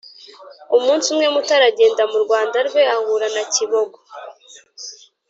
umunsi umwe mutara agenda mu rwanda rwe ahura na kibogo